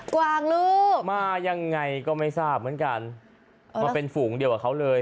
กวางลูกมายังไงก็ไม่ทราบเหมือนกันว่าเป็นฝูงเดียวกับเขาเลย